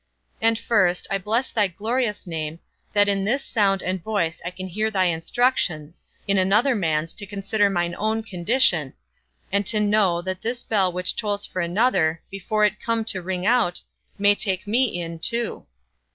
And first, I bless thy glorious name, that in this sound and voice I can hear thy instructions, in another man's to consider mine own condition; and to know, that this bell which tolls for another, before it come to ring out, may take me in too.